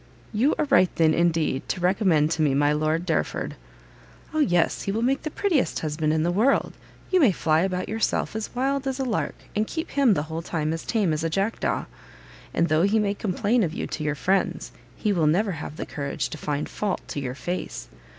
"You are right, then, indeed, to recommend to me my Lord Derford!" "O yes, he will make the prettiest husband in the world; you may fly about yourself as wild as a lark, and keep him the whole time as tame as a jack daw: and though he may complain of you to your friends, he will never have the courage to find fault to your face.